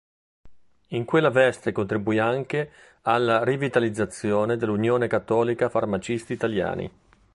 In quella veste contribuì anche alla rivitalizzazione dell'Unione cattolica farmacisti italiani.